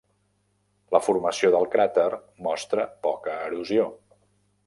La formació del cràter mostra poca erosió.